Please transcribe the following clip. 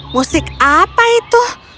musik apa itu